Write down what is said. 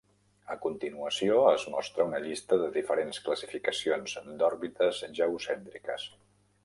A continuació es mostra una llista de diferents classificacions d'òrbites geocèntriques.